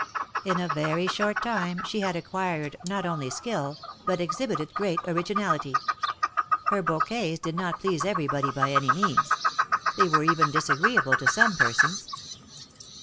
In a very short time she had acquired not only skill, but exhibited great originality. Her bouquets did not please everybody by any means. They were even disagreeable to some persons.